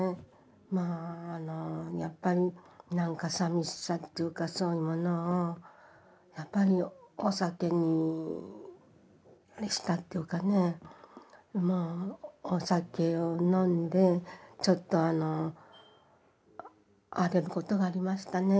まあやっぱりなんかさみしさっていうかそういうものをやっぱりお酒にあれしたっていうかねお酒を飲んでちょっとあの荒れることがありましたね。